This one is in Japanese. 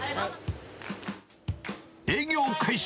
営業開始。